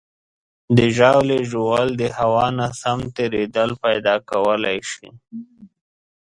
د ژاولې ژوول د هوا ناسم تېرېدل پیدا کولی شي.